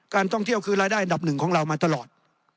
ท่องเที่ยวคือรายได้อันดับหนึ่งของเรามาตลอด